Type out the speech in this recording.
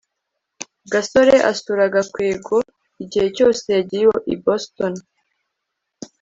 gasore asura gakwego igihe cyose yagiye i boston